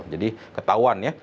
jadi ketahuan ya